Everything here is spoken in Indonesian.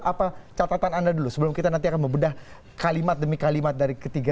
apa catatan anda dulu sebelum kita nanti akan membedah kalimat demi kalimat dari ketiga